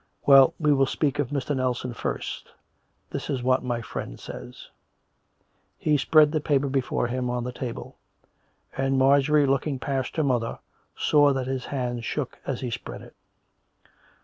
.,. Well, we will speak of Mr. Nelson first. This is what my friend says." He spread the paper before him on the table; and Mar jorie, looking past her mother, saw that his hands shook as he spread it.